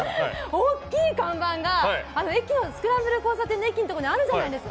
大きい看板がスクランブル交差点の駅のところあるじゃないですか。